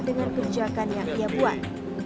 dan yang dia buat